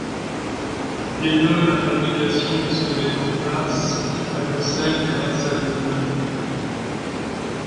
Dès le la fabrication se met en place à Docelles grâce à des moulins.